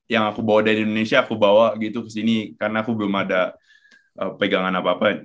yang aku bawa dari indonesia aku bawa gitu ke sini karena aku belum ada pegangan apa apa